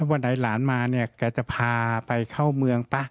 วันไหนหลานมาเนี่ยแกจะพาไปเข้าเมืองป่ะ